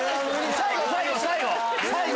最後最後最後！